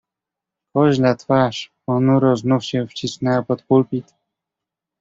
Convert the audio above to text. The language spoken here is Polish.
"Koźla twarz ponuro znów się wcisnęła pod pulpit."